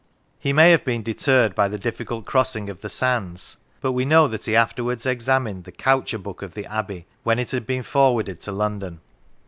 He may have been deterred by the difficult crossing of the sands; but we know that he afterwards examined the Coucher Book of the Abbey, when it had been forwarded to London.